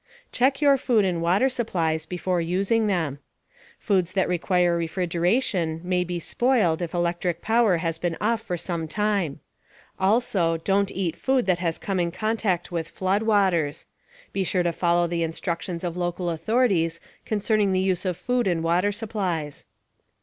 Check your food and water supplies before using them. Foods that require refrigeration may be spoiled if electric power has been off for some time. Also, don't eat food that has come in contact with flood waters. Be sure to follow the instructions of local authorities concerning the use of food and water supplies.